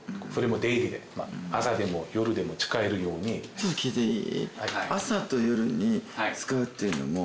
ちょっと聞いていい？